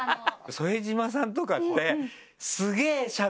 副島さんとかって。